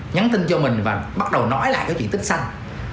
nhắn tin cho mình và bắt đầu nói lại cái diện tích xanh